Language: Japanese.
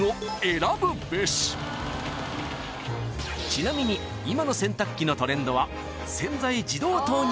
［ちなみに今の洗濯機のトレンドは］